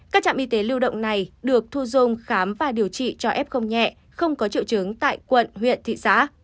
các trạm y tế lưu động này được thu dung khám và điều trị cho f nhẹ không có triệu chứng tại quận huyện thị xã